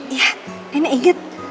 iya nenek inget